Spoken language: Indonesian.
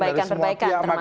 dari semua pihak